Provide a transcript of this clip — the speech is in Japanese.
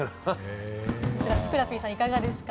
ふくらＰさん、いかがですか？